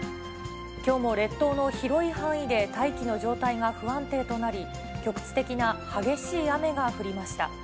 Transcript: きょうも列島の広い範囲で大気の状態が不安定となり、局地的な激しい雨が降りました。